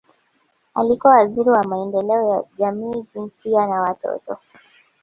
Alikuwa Waziri wa Maendeleo ya Jamii Jinsia na Watoto